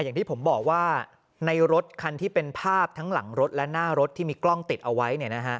อย่างที่ผมบอกว่าในรถคันที่เป็นภาพทั้งหลังรถและหน้ารถที่มีกล้องติดเอาไว้